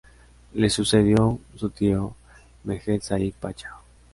Le sucedió su tío Mehmet Said Pachá.